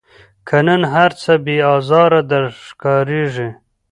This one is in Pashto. که نن هرڅه بې آزاره در ښکاریږي